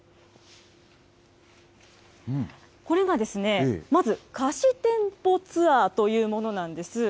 これがまず貸店舗ツアーというものなんです。